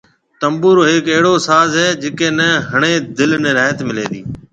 تنبورو ھيَََڪ اھڙو ساز ھيَََ جڪي ني ۿڻي دل ني راحت ملي